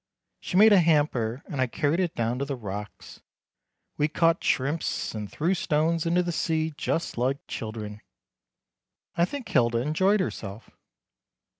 She made a hamper and I carried it down to the rocks. We caught shrimps and threw stones into the sea just like children. I think Hilda enjoyed herself.